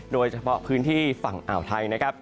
โดยเฉพาะพื้นที่ฝั่งอ่าวไทยนะครับ